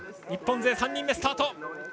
日本勢の３人目、スタート。